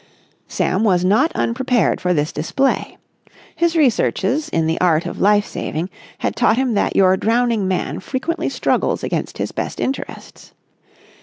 Sam was not unprepared for this display. His researches in the art of life saving had taught him that your drowning man frequently struggles against his best interests.